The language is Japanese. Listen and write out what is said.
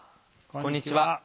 こんにちは。